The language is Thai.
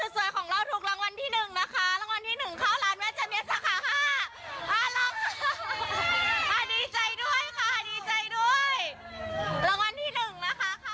น้องน้ำหวานแอดมินสุดสวยของเรานะคะน้องแอดมินสุดสวยของเราถูกรางวัลที่หนึ่งนะคะ